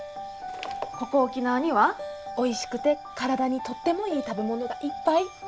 ここ沖縄にはおいしくて体にとってもいい食べ物がいっぱい。